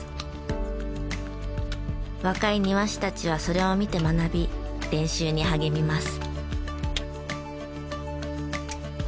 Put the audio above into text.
若い庭師たちはそれを見て学び練習に励みます。